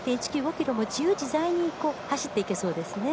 ｋｍも自由自在に走っていけそうですね。